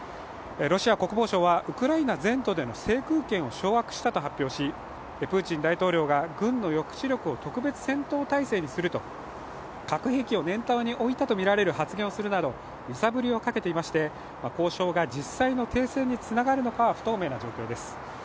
ロシア国防省はウクライナ全土での制空権を掌握したと発表し、プーチン大統領が軍の抑止力を特別戦闘態勢にすると核兵器を念頭に置いたとみられる発言をするなど揺さぶりをかけていまして、交渉が実際の停戦につながるのかは不透明な状況です。